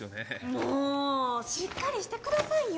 もうしっかりしてくださいよ